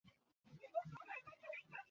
আপনি চিকুকে মেরেছিলেন।